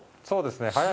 そうですね。